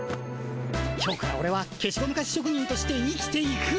今日からオレはけしゴムカスしょくにんとして生きていく。